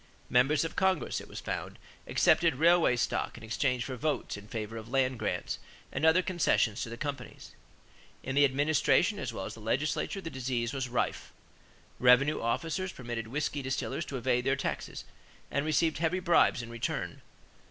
Members of Congress, it was found, accepted railway stock in exchange for votes in favor of land grants and other concessions to the companies. In the administration as well as the legislature the disease was rife. Revenue officers permitted whisky distillers to evade their taxes and received heavy bribes in return.